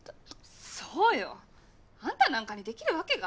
そうよ。あんたなんかにできるわけが。